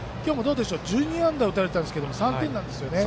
１２安打、打たれたんですけど３点なんですよね。